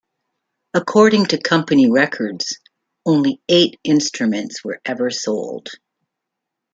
According to company records, only eight instruments were ever sold.